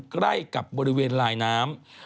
ใกล้กับบริเวณลายน้ำ